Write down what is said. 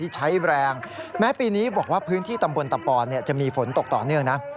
จะมีฝนตกต่อเนื่องนะ